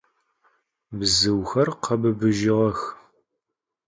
Bzıuxer khebıbıjığex.